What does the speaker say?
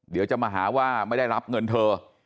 เดี๋ยวจะมาหาว่าไม่ได้รับเงินเธอ